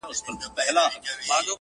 لاس مو تل د خپل ګرېوان په وینو سور دی؛